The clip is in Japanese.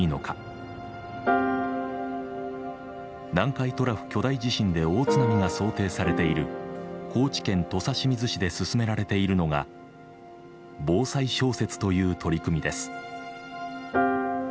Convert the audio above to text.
南海トラフ巨大地震で大津波が想定されている高知県土佐清水市で進められているのが「防災小説」という取り組みです。